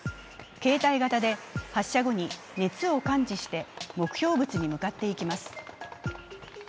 携帯型で発射後に熱を感知して目標物に向かっていきます。